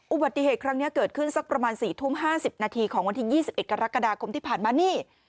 อุบัติเหตุครั้งนี้เกิดขึ้นสักประมาณ๔ทุ่ม๕๐นาทีของวันที่๒๑กรกฎาคมที่ผ่านมานี่